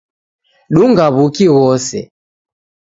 Dunga w'uki ghose